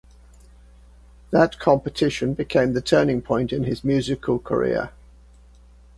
That competition became the turning point in his musical career.